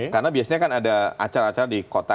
karena biasanya kan ada acara acara di kota